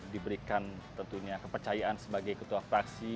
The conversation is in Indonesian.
dan tentunya kepercayaan sebagai ketua fraksi